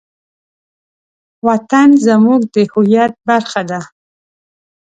وطن زموږ د هویت برخه ده.